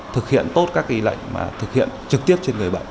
thực hiện tốt các lệnh mà thực hiện trực tiếp trên người bệnh